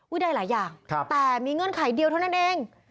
ใดหลายอย่างแต่มีเงื่อนไขเดียวเท่านั้นเอง